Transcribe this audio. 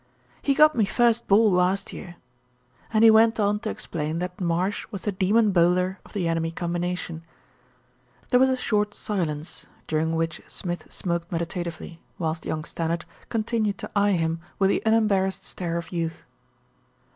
"He got me first ball last year," and he went on to explain that Marsh was the demon bowler of the enemy combination. There was a short silence, during which Smith ERIC STANNARD PROMISES SUPPORT 121 smoked meditatively, whilst young Stannard continued to eye him with the unembarrassed stare of youth.